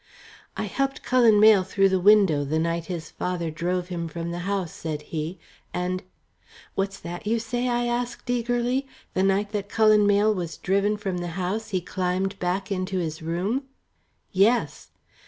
"I helped Cullen Mayle through the window, the night his father drove him from the house," said he, "and " "What's that you say?" I asked eagerly. "The night that Cullen Mayle was driven from the house, he climbed back into his room!" "Yes!"